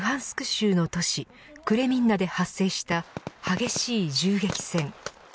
州の都市クレミンナで発生した激しい銃撃戦。